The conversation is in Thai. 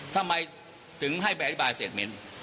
ทำไมถึงให้แบรนด์บายเศรษฐ์เม้นท์